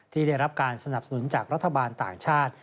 ที่ได้รับการสนับสนุนจากรัฐบาลต่างชาติ